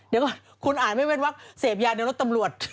เดี๋ยวก่อนคุณอ่านไม่เว้นว่าเสพยาในรถตำรวจ